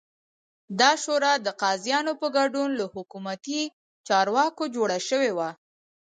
دا شورا د قاضیانو په ګډون له حکومتي چارواکو جوړه شوې وه